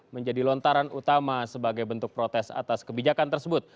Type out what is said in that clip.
menjadi lontaran utama sebagai bentuk protes atas kebijakan tersebut